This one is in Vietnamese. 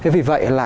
vì vậy là